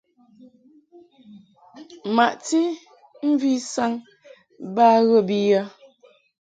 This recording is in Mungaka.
Maʼti mvi saŋ ba ghə bi yə.